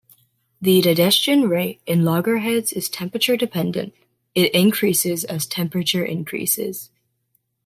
The digestion rate in loggerheads is temperature-dependent; it increases as temperature increases.